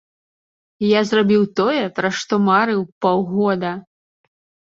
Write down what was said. Я зрабіў тое, пра што марыў паўгода.